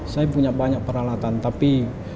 saya punya banyak peralatan tapi